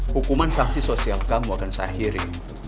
hukuman saksi sosial kamu akan sahiri